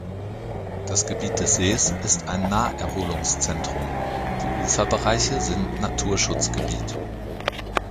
Das Gebiet des Sees ist ein Naherholungszentrum, die Uferbereiche sind Naturschutzgebiet.